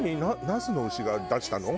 那須の牛が出したの？